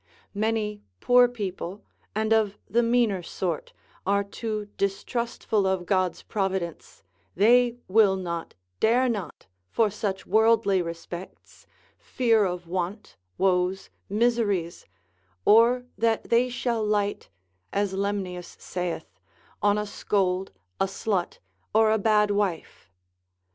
Many poor people, and of the meaner sort, are too distrustful of God's providence, they will not, dare not for such worldly respects, fear of want, woes, miseries, or that they shall light, as Lemnius saith, on a scold, a slut, or a bad wife.